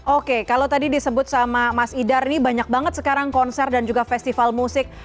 oke kalau tadi disebut sama mas idar ini banyak banget sekarang konser dan juga festival musik